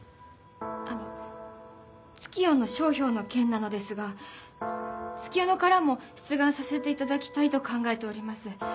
あのツキヨンの商標の件なのですが月夜野からも出願させていただきたいと考えております。